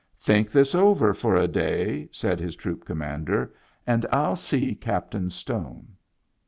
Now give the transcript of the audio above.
"Think this over for a day," said his troop commander, "and Til see Captain Stone."